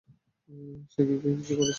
সে কি কিছু করেছে?